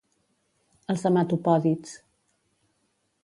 Els hematopòdids.